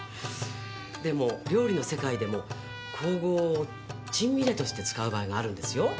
でも料理の世界でも香合を珍味入れとして使う場合があるんですよ